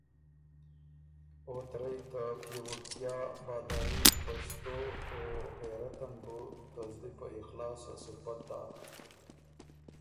او ته رئ ته پئےوُړتیا، بهادري، پشتو او غېرت ان بُو ته زلی په اخلاصه سُوپت داک۔